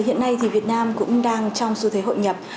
hiện nay thì việt nam cũng đang trong xu thế hội nhập